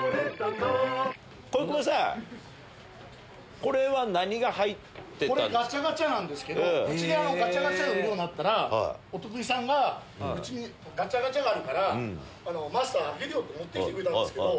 これガチャガチャなんですけどうちで売るようになったらお得意さんがうちにガチャガチャがあるからマスターあげるよ！って持って来てくれたんですけど。